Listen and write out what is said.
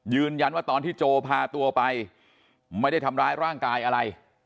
ตอนที่โจพาตัวไปไม่ได้ทำร้ายร่างกายอะไร